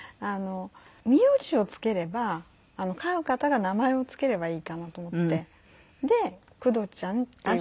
名字を付ければ飼う方が名前を付ければいいかなと思ってで工藤ちゃんっていうふうに。